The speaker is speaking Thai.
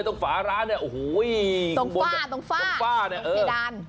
แต่ตรงฝาร้านเนี่ยโอ้โหตรงฝ้าตรงเพดาน